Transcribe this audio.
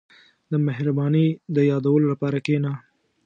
• د مهربانۍ د یادولو لپاره کښېنه.